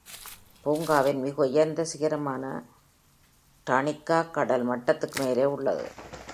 பூங்காவின் மிக உயர்ந்த சிகரமான, Tarnica, கடல் மட்டத்திற்கு மேலே உள்ளது.